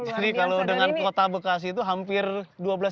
jadi kalau dengan kota bekasi itu hampir dua belas tiga belas luas